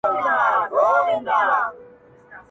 • کلي کي نوي کورونه جوړېږي او ژوند بدلېږي ورو..